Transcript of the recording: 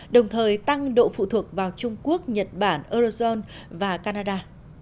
đồng thời tăng độ phụ thuộc vào trung quốc nhật bản eurozone và canada